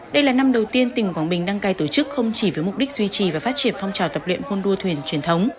đây là năm đầu tiên tỉnh quảng bình đăng cai tổ chức không chỉ với mục đích duy trì và phát triển phong trào tập luyện hôn đua thuyền truyền thống